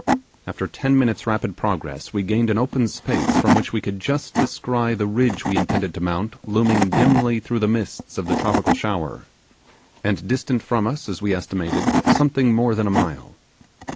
After ten minutes' rapid progress we gained an open space from which we could just descry the ridge we intended to mount looming dimly through the mists of the tropical shower, and distant from us, as we estimated, something more than a mile.